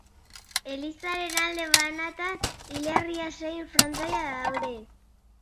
Elizaren alde banatan hilerria zein frontoia daude.